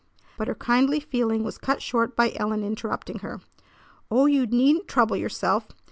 But her kindly feeling was cut short by Ellen interrupting her. "Oh, you needn't trouble yourself!